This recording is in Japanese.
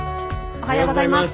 おはようございます。